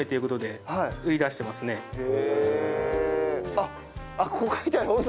あっここ書いてある。